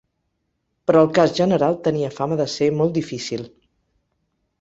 Però el cas general tenia fama de ser molt difícil.